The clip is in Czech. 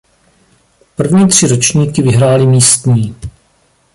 První tři ročníky vyhráli místní.